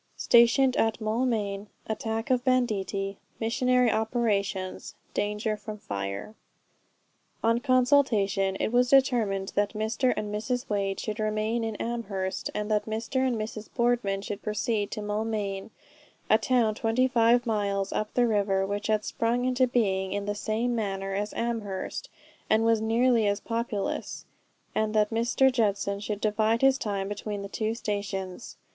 STATIONED AT MAULMAIN. ATTACK OF BANDITTI. MISSIONARY OPERATIONS. DANGER FROM FIRE. On consultation it was determined that Mr. and Mrs. Wade should remain in Amherst, and that Mr. and Mrs. Boardman should proceed to Maulmain, a town 25 miles up the river, which had sprung into being in the same manner as Amherst, and was nearly as populous; and that Mr. Judson should divide his time between the two stations.